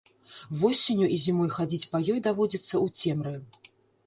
Восенню і зімой хадзіць па ёй даводзіцца ў цемры.